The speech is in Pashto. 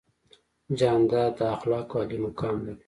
جانداد د اخلاقو عالي مقام لري.